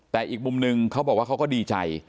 แต่อีกมุมนึงเขาบอกว่าเขาก็ดีใจ